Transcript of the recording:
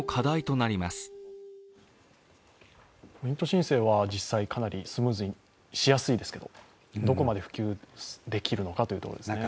申請は実際かなりスムーズにしやすいですけど、どこまで普及できるのかというところですね。